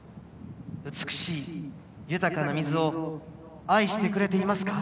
美しい豊かな水を愛してくれていますか。